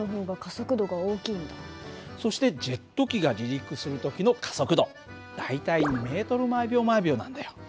そしてジェット機が離陸する時の加速度大体２ｍ／ｓなんだよ。